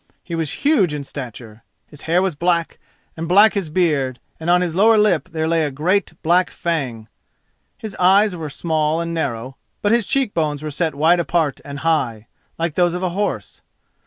He was huge in stature—his hair was black, and black his beard, and on his lower lip there lay a great black fang. His eyes were small and narrow, but his cheekbones were set wide apart and high, like those of a horse.